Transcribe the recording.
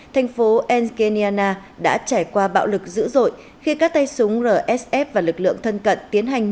thành phố engeniana đã trải qua bệnh